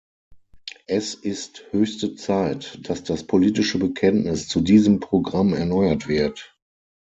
Es ist höchste Zeit, dass das politische Bekenntnis zu diesem Programm erneuert wird.